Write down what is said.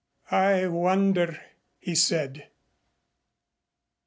"I wonder," he said.